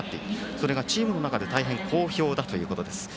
それがチームの中で大変、好評だということです。